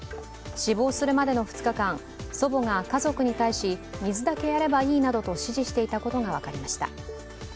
死亡するまでの２日間、祖母が家族に対し水だけやればいいなどと指示していたことが分かりました。